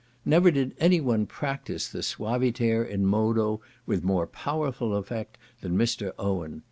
Never did any one practise the suaviter in modo with more powerful effect than Mr. Owen.